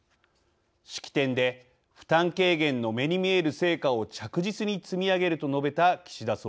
式典で「負担軽減の目に見える成果を着実に積み上げる」と述べた岸田総理。